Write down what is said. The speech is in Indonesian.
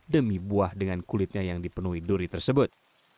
demi buah dengan kulitnya yang dipenuhi duri tersebut